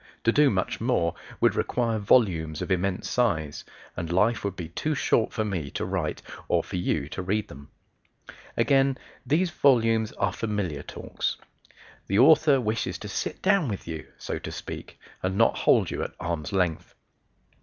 To do much more would require volumes of immense size, and life would be too short for me to write or for you to read them. Again: these volumes are "familiar talks." The Author wishes to sit down with you so to speak and not hold you at arm's length.